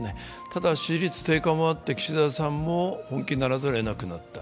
ただ支持率低下もあって岸田さんも本気にならざるをえなくなった。